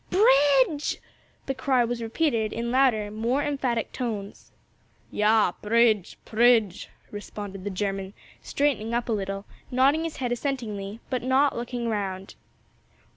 "Bridge!" The cry was repeated in louder, more emphatic tones. "Yah, pridge, pridge!" responded the German straightening up a little, nodding his head assentingly, but not looking round.